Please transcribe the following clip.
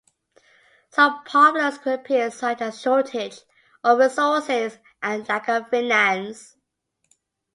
Some problems could appear such as shortage or resources and lack of finance.